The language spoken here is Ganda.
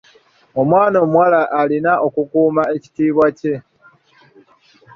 Omwana omuwala alina okukuuma ekitiibwa kye.